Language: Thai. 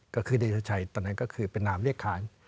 ก็คือเดชาชัยตอนนั้นก็คือเป็นนามเรียกขาย